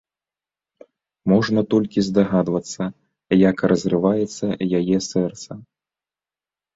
Можна толькі здагадвацца, як разрываецца яе сэрца.